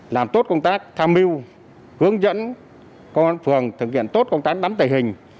làm tốt công tác tham mưu hướng dẫn công an phường thực hiện tốt công tác nắm tài hình